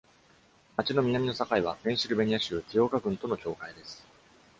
町の南の境はペンシルベニア州ティオガ郡との境界です。